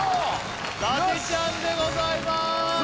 伊達ちゃんでございます！